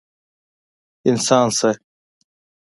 انسان شه!